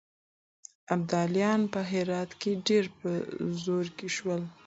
ابدالیان په هرات کې ډېر په زور کې شول.